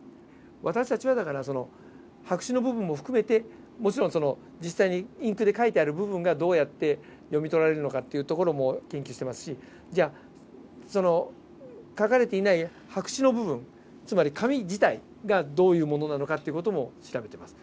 私たちはだからその白紙の部分も含めてもちろん実際にインクで書いてある部分がどうやって読み取られるのかっていうところも研究してますしその書かれていない白紙の部分つまり紙自体がどういうものなのかという事も調べてます。